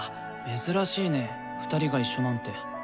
珍しいね２人が一緒なんて。